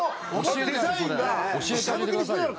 教えてあげてくださいよ。